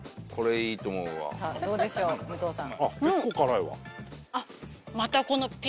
さあどうでしょう武藤さん。